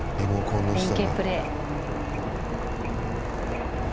連係プレー。